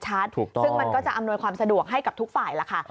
ซึ่งมันก็จะอำนวยความสะดวกให้กับทุกฝ่ายล่ะค่ะ